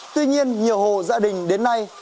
tuy nhiên nhiều hộ gia đình đến nay